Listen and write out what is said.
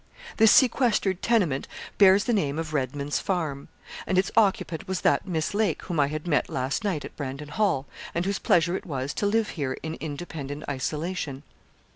This sequestered tenement bears the name of Redman's Farm; and its occupant was that Miss Lake whom I had met last night at Brandon Hall, and whose pleasure it was to live here in independent isolation.